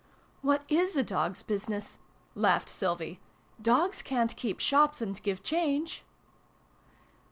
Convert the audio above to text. " What is a. dog's business ?" laughed Sylvie. " Dogs ca'n't keep shops and give change